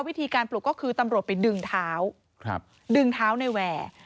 วิธีการปลุกก็คือตำรวจไปดึงเท้าดึงเท้าในแวร์